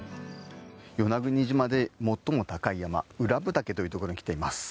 与那国島で最も高い山宇良部岳というところに来ています。